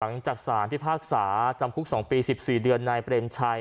หลังจากสารพิพากษาจำคุก๒ปี๑๔เดือนนายเปรมชัย